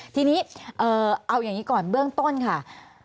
ทีนี้เอาอย่างนี้ก่อนเบื้องต้นค่ะ